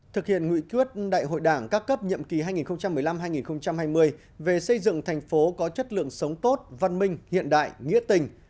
thực hiện nghị quyết đại hội đảng các cấp nhiệm kỳ hai nghìn một mươi năm hai nghìn hai mươi về xây dựng thành phố có chất lượng sống tốt văn minh hiện đại nghĩa tình